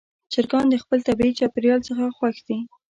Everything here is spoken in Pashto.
چرګان د خپل طبیعي چاپېریال څخه خوښ دي.